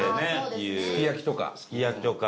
飯尾：すき焼きとか。